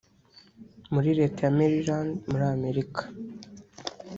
muri Leta ya Maryland muri Amerika